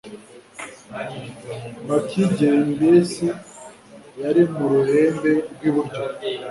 bakidesi yari ku ruhembe rw'iburyo